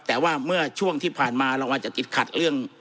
แต่ว่าเมื่อช่วงที่ผ่านมาเราอาจจะติดขัดเรื่อง